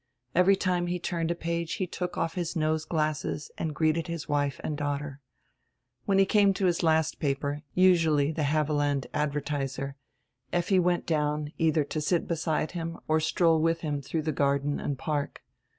Every time he turned a page he took off his nose glasses and greeted his wife and daughter. When he came to his last paper, usually die Havelland Advertiser, Effi went down eidier to sit beside him or stroll widi him through die garden and park.